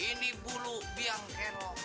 ini bulu biang kerok